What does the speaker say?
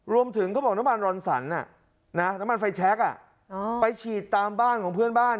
เขาบอกน้ำมันรอนสันน้ำมันไฟแชคไปฉีดตามบ้านของเพื่อนบ้าน